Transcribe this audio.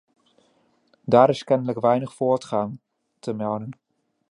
Daar is kennelijk weinig voortgang te melden.